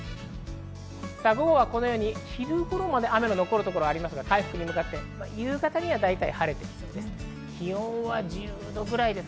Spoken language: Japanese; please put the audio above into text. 午後はこのように昼頃まで雨の残るところありますが回復に向かって夕方にはだいたい晴れてきそうです。